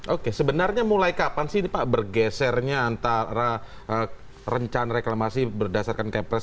oke sebenarnya mulai kapan sih pak bergesernya antara rencana reklamasi berdasarkan kepres